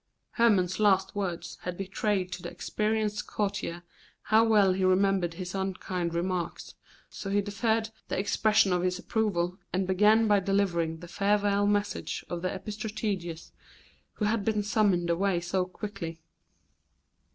Hermon's last words had betrayed to the experienced courtier how well he remembered his unkind remarks, so he deferred the expression of his approval, and began by delivering the farewell message of the epistrategus, who had been summoned away so quickly.